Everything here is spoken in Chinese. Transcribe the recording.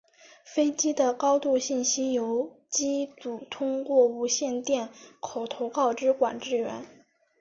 飞机的高度信息由机组通过无线电口头告知管制员。